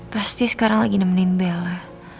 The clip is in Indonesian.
pasti sekarang lagi nemenin bela